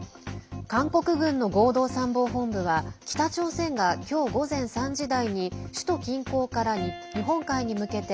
韓国軍の合同参謀本部は北朝鮮が今日午前３時台に首都近郊から日本海に向けて